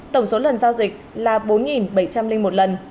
tổng số lần giao dịch là bốn bảy trăm linh một lần